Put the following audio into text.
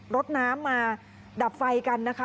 รถน้ำมาดับไฟกันนะคะ